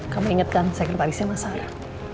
kamu ingat kan sekiliparisnya masalah